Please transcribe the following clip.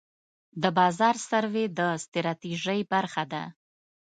د بازار سروې د ستراتیژۍ برخه ده.